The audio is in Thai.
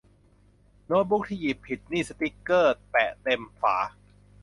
โน๊ตบุ๊กที่หยิบผิดนี่สติ๊กเกอร์แปะเต็มฝา